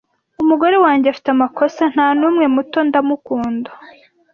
Umugore wanjye afite amakosa. Nta numwe muto, ndamukunda.